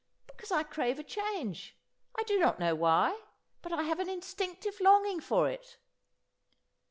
"Because I crave a change. I do not know why. But I have an instinctive longing for it."